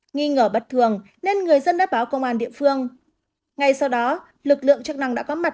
nghi ngờ bất thường nên người dân đã báo công an địa phương ngay sau đó lực lượng chức năng đã có mặt